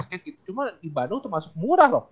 cuma di bandung tuh masuk murah loh